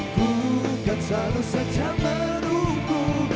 ku akan selalu saja menunggu